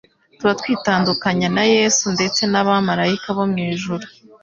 tuba twitandukanya na Yesu ndetse n'abamarayika bo mw'ijuru.